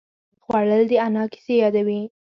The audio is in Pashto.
خوړل د انا کیسې یادوي